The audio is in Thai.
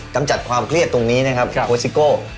กำจัดความเครียดตรงนี้นะครับโคสิโก้